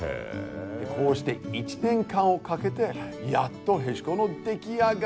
こうして１年間をかけてやっとへしこの出来上がり。